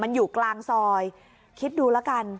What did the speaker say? มันอยู่กลางซอยคิดดูแล้วกัน